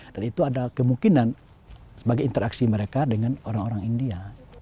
itu ada kemungkinan sebagai interaksi mereka dengan orang orang india